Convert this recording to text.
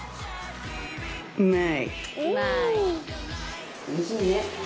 うまい。